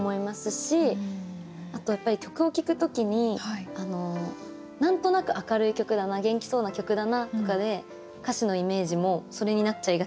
あとやっぱり曲を聴く時に何となく明るい曲だな元気そうな曲だなとかで歌詞のイメージもそれになっちゃいがちじゃないですか。